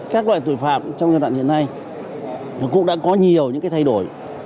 các loại tội phạm trong giai đoạn hiện nay cũng đã có nhiều những thay đổi